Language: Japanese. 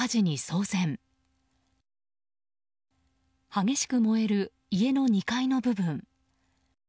激しく燃える、家の２階の部分。